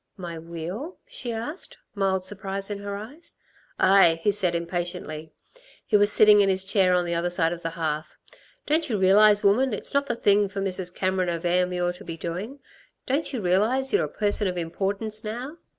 "My wheel?" she asked, mild surprise in her eyes. "Aye," he said impatiently. He was sitting in his chair on the other side of the hearth. "Don't you realise, woman, it's not the thing for Mrs. Cameron of Ayrmuir to be doing. Don't you realise y're a person of importance now.